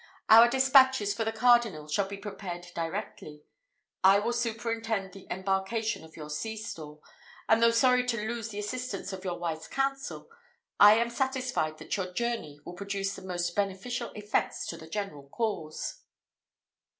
Our despatches for the cardinal shall be prepared directly. I will superintend the embarkation of your sea store, and though sorry to lose the assistance of your wise counsel, I am satisfied that your journey will produce the most beneficial effects to the general cause."